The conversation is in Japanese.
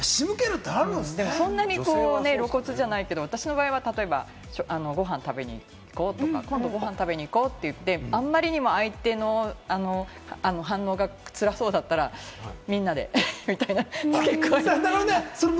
でもそんなに露骨じゃないけれども、私の場合は例えば、ごはん食べに行こうとか、今度、ごはん食べに行こう！って言って、あんまりにも相手の反応がつらそうだったら、みんなでみたいに付け加える。